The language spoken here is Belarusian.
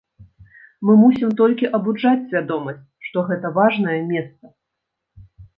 Мы мусім толькі абуджаць свядомасць, што гэта важнае месца.